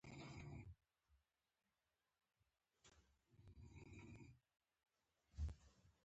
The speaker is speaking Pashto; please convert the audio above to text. د ښاروالۍ لخوا نیالګي ویشل کیږي.